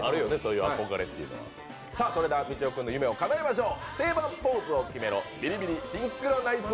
それでは、みちお君の夢をかなえましょう。